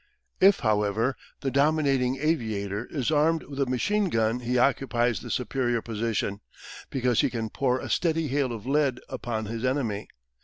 If, however, the dominating aviator is armed with a machine gun he occupies the superior position, because he can pour a steady hail of lead upon his enemy.